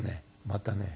またね